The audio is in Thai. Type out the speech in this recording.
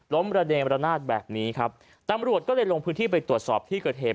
ระเนมระนาดแบบนี้ครับตำรวจก็เลยลงพื้นที่ไปตรวจสอบที่เกิดเหตุ